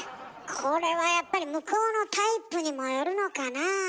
これはやっぱり向こうのタイプにもよるのかなあ。